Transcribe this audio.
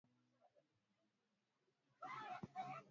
Mkulima anapaswa aelewe faida ya bidhaa zake